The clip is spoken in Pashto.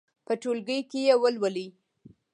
په ټولګي کې یې ولولئ.